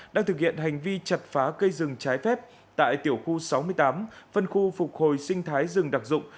đang thực hiện hành vi chặt phá cây rừng trái phép tại tiểu khu sáu mươi tám phân khu phục hồi sinh thái rừng đặc dụng